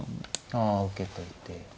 あ受けといて。